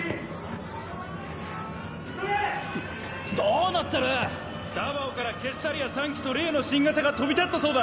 どうなってる⁉ダバオからケッサリア３機と例の新型が飛び立ったそうだ。